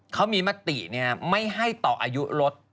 เขามีมติไม่ให้ต่ออายุรถ